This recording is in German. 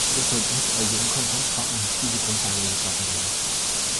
Deshalb muss also im Konvent vorrangig diese Grundlage geschaffen werden.